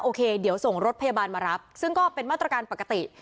โอเคเดี๋ยวส่งรถพยาบาลมารับซึ่งก็เป็นมาตรการปกติ